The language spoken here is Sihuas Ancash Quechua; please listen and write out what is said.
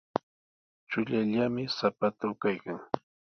Chullallami sapatuu kaykan.